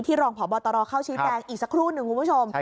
รองพบตรเข้าชี้แจงอีกสักครู่หนึ่งคุณผู้ชม